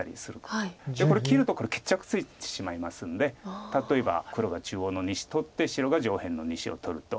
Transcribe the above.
これ切ると決着ついてしまいますんで例えば黒が中央の２子取って白が上辺の２子を取ると。